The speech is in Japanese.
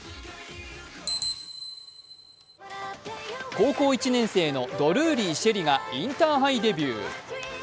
高校１年生のドルーリー朱瑛里がインターハイデビュー。